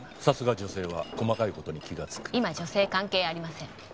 さすが女性は細かいことに気がつく今女性関係ありません